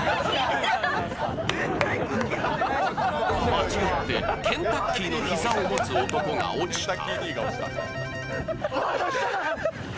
間違ってケンタッキーの膝を持つ男が落ちた。